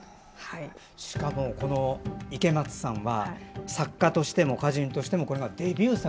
しかも、池松さんは作家としても歌人としてもこれがデビュー作。